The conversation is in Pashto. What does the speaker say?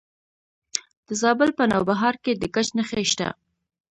د زابل په نوبهار کې د ګچ نښې شته.